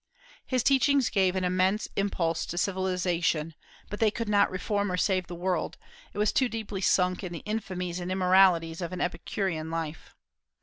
His teachings gave an immense impulse to civilization, but they could not reform or save the world; it was too deeply sunk in the infamies and immoralities of an Epicurean life.